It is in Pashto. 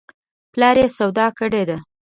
پلار یې سودا ګر دی .